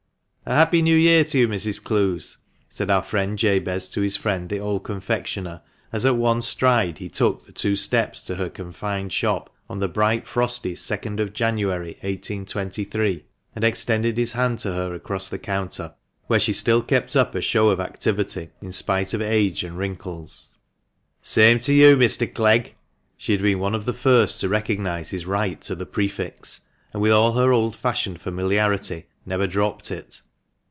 "A happy new year to you, Mrs. Clowes!" said our friend Jabez to his friend the old confectioner, as at one stride he took 398 THE MANCHESTER MAN. the two steps to her confined shop on the bright frosty second of January, 1823, and extended his hand to her across the counter, where she still kept up a show of activity in spite of age and wrinkles. "Same to you, Mr. Clegg." She had been one of the first to recognise his right to the prefix, and, with all her old fashioned familiarity, never dropped it.